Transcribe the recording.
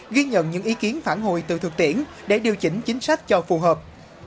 ghi nhận những ý kiến phản hồi từ thực tiễn để điều chỉnh chính sách cho phù hợp